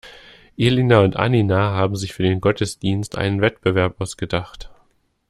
Elina und Annina haben sich für den Gottesdienst einen Wettbewerb ausgedacht.